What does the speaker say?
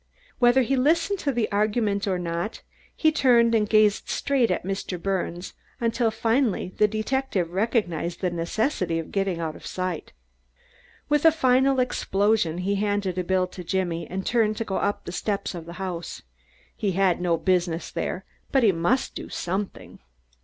Whether he listened or not he turned and gazed straight at Mr. Birnes until, finally, the detective recognized the necessity of getting out of sight. With a final explosion he handed a bill to Jimmy and turned to go up the steps of the house. He had no business there, but he must do something.